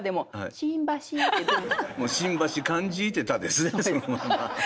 「新橋感じてた」ですね。